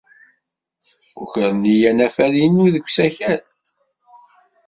Ukren-iyi anafad-inu deg usakal.